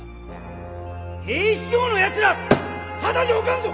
警視庁のやつらただじゃおかんぞ。